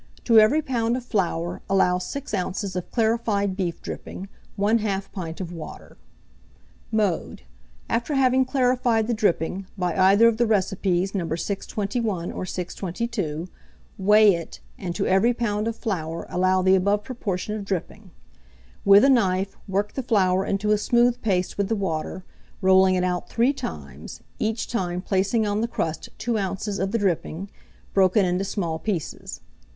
To every lb. of flour allow 6 oz. of clarified beef dripping, 1/2 pint of water. Mode. After having clarified the dripping, by either of the recipes No. 621 or 622, weigh it, and to every lb. of flour allow the above proportion of dripping. With a knife, work the flour into a smooth paste with the water, rolling it out 3 times, each time placing on the crust 2 oz. of the dripping, broken into small pieces.